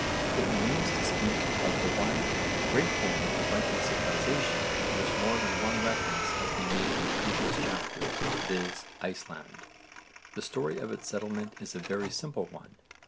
It remains to speak of one great home of Viking civilisation to which more than one reference has been made in previous chapters, viz. Iceland. The story of its settlement is a very simple one.